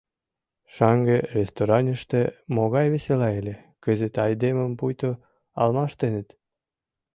Шаҥге, рестораныште, могай весела ыле, кызыт айдемым пуйто алмаштеныт.